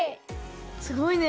すごいね。